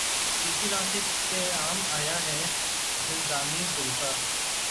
کس رہ سے پیام آیا ہے زندانئ دل کا